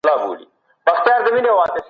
ډیپلوماسي باید د هېواد د بشپړتیا ساتونکې وي.